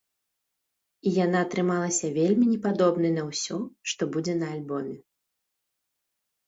І яна атрымалася вельмі не падобнай на ўсё, што будзе на альбоме.